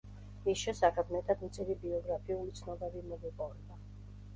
მის შესახებ მეტად მწირი ბიოგრაფიული ცნობები მოგვეპოვება.